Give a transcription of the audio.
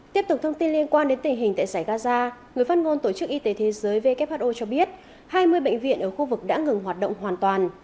tiếp tục thông tin liên quan đến tình hình tại giải gaza người phát ngôn tổ chức y tế thế giới who cho biết hai mươi bệnh viện ở khu vực đã ngừng hoạt động hoàn toàn